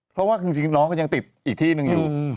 เพราะว่าคือจริงน้องก็ยังติดอีกที่หนึ่งอยู่